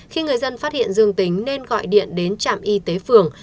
khi người dân phát hiện dương tính nên gọi điện đến trạm y tế phường